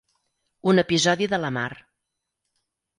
Un episodi de la mar.